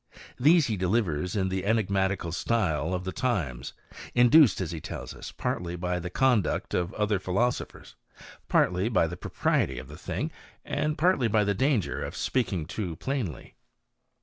These h& delivers in the enigmatical style of the times ; induced,' as he tells us, partly by the conduct of other philoso^' phers, partly by the propriety of the thing, and partljf by the danger of speaking too plainly.